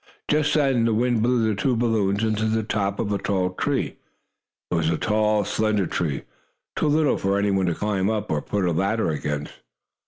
Just then the wind blew the two balloons into the top of a tall tree. It was a tall, slender tree, too little for any one to climb up, or put a ladder against.